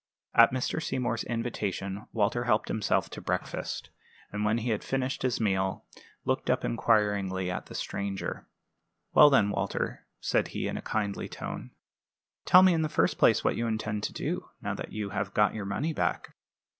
At Mr. Seymour's invitation Walter helped himself to breakfast; and when he had finished his meal, looked up inquiringly at the stranger. "Well, then, Walter," said he, in a kindly tone, "tell me in the first place what you intend to do, now that you have got your money back?"